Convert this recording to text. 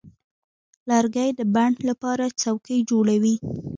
لرګی د بڼ لپاره څوکۍ جوړوي.